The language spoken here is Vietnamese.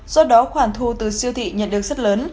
do đó khoản thu từ siêu thị nhận được rất lớn